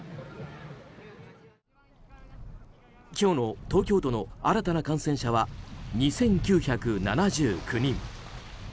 今日の東京都の新たな感染者は２９７９人。